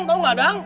tahu gak dang